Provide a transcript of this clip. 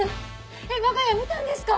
えっわが家見たんですか